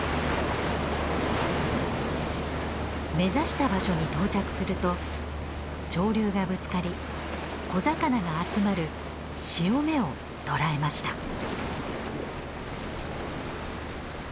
目指した場所に到着すると潮流がぶつかり小魚が集まる潮目を捉えました。